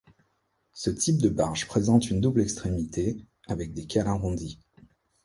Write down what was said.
Ce type de barge présente une double extrémité avec des cales arrondies.